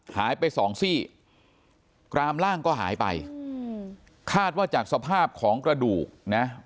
หายไปสองซี่กรามร่างก็หายไปคาดว่าจากสภาพของกระดูกนะ